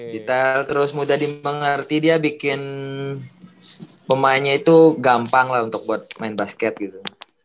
detail terus mudah dimengerti dia bikin pemainnya itu gampang lah untuk buat main basket gitu